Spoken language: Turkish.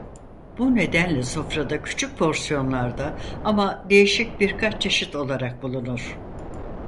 Bu nedenle sofrada küçük porsiyonlarda ama değişik birkaç çeşit olarak bulunur.